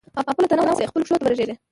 او پر خپله تنه وچ سې خپلو پښو ته به رژېږې